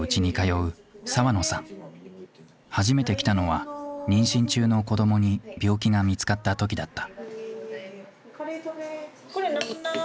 初めて来たのは妊娠中の子どもに病気が見つかった時だった。